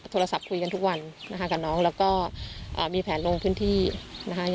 โทรศัพท์คุยกันทุกวันนะคะกับน้องแล้วก็มีแผนลงพื้นที่นะคะ